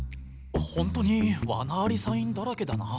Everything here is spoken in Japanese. ほんとにワナありサインだらけだな。